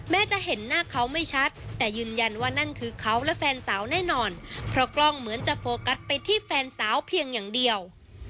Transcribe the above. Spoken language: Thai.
จะเห็นหน้าเขาไม่ชัดแต่ยืนยันว่านั่นคือเขาและแฟนสาวแน่นอนเพราะกล้องเหมือนจะโฟกัสไปที่แฟนสาวเพียงอย่างเดียว